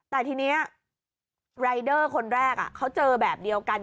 แต่ทีนี้รายเดอร์คนแรกเขาเจอแบบเดียวกัน